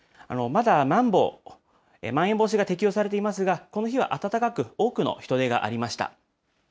まだまん防、まん延防止が適用されていますが、この日は多くの人出がありました。